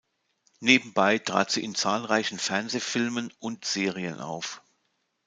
Nebenbei trat sie in zahlreichen Fernsehfilmen und Serien auf.